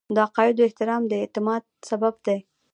د عقایدو احترام د اعتماد سبب دی.